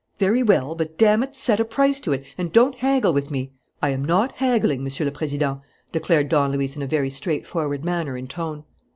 Very well, but damn it, set a price to it and don't haggle with me!" "I am not haggling, Monsieur le Président," declared Don Luis, in a very straightforward manner and tone.